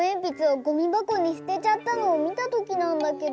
ゴミばこにすてちゃったのをみたときなんだけど。